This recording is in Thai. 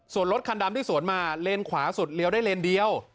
ส่วนรถคันดำที่สวนมาเลนขวาสุดเลี้ยวได้เลนเดียว